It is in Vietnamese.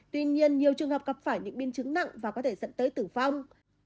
tuy nhiên nhiều trường hợp gặp phải những biên chứng nặng và có thể dẫn tới tử vong